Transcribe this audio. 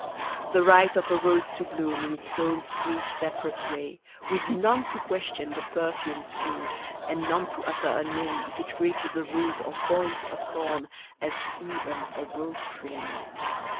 The right of a rose to bloom In its own sweet, separate way, With none to question the perfumed pink And none to utter a nay If it reaches a root or points, a thorn, as even a rose tree may.